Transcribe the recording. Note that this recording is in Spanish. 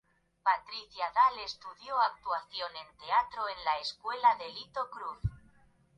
Patricia Dal estudió actuación en teatro en la escuela de Lito Cruz.